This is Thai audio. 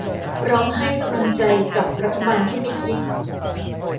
ร้องไห้กำลังใจกับรัฐบาลที่ไม่คิด